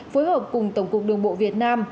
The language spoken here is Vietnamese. phối hợp cùng tổng cục đường bộ việt nam